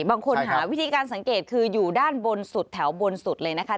บางคนหาวิธีการสังเกตคืออยู่ด้านบนสุดแถวบนสุดเลยนะคะ